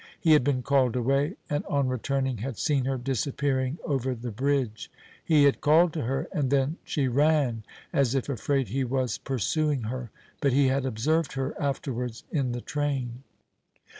He had been called away, and on returning had seen her disappearing over the bridge. He had called to her, and then she ran as if afraid he was pursuing her. But he had observed her afterwards in the train.